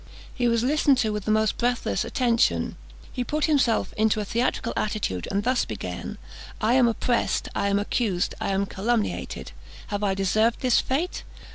He was listened to with the most breathless attention. He put himself into a theatrical attitude, and thus began: "I am oppressed! I am accused! I am calumniated! Have I deserved this fate?